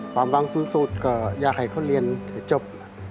ความว่างสูงก็อยากให้เขาเรียนจะจบ